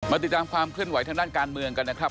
ติดตามความเคลื่อนไหวทางด้านการเมืองกันนะครับ